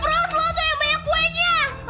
prost lo tuh yang banyak kuenya